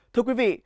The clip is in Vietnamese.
thưa quý vị